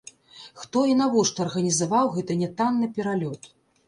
Хто і навошта арганізаваў гэты нятанны пералёт?